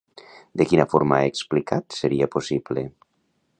De quina forma ha explicat seria possible?